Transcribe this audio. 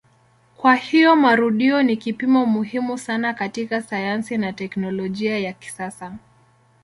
Kwa hiyo marudio ni kipimo muhimu sana katika sayansi na teknolojia ya kisasa.